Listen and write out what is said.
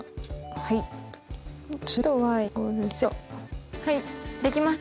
はいできました。